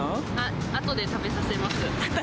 あとで食べさせます。